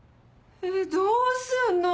えどうすんの？